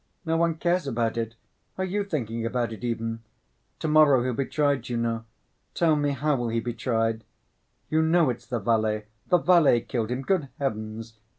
No one cares about it. Are you thinking about it even? To‐morrow he'll be tried, you know. Tell me, how will he be tried? You know it's the valet, the valet killed him! Good heavens!